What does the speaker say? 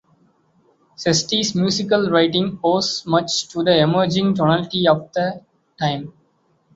Cesti's musical writing owes much to the emerging tonality of the time.